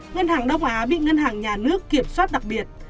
ngân hàng đông á bị ngân hàng nhà nước kiểm soát đặc biệt